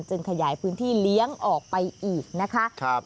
ขยายพื้นที่เลี้ยงออกไปอีกนะคะ